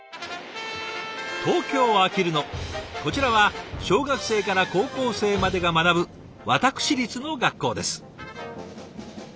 こちらは小学生から高校生までが学ぶ私立の学校です。